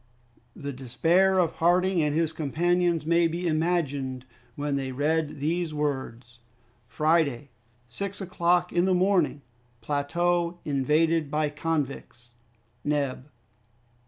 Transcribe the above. The despair of Harding and his companions may be imagined when they read these words: "Friday, six o'clock in the morning. "Plateau invaded by convicts. "Neb."